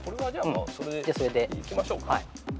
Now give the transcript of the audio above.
それでいきましょうか。